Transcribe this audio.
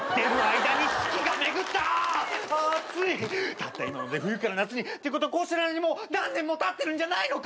たった今ので冬から夏に。っていうことはこうしてる間に何年もたってるんじゃないのか？